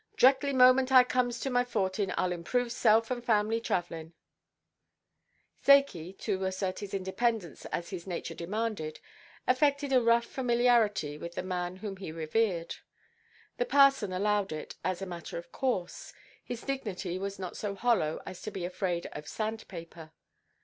Dʼrectly moment I comes to my fortinʼ, Iʼll improve self and family travellinʼ." Zakey, to assert his independence as his nature demanded, affected a rough familiarity with the man whom he revered. The parson allowed it as a matter of course. His dignity was not so hollow as to be afraid of sand–paper.